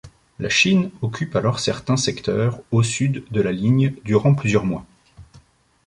La Chine occupe alors certains secteurs au sud de la ligne durant plusieurs mois.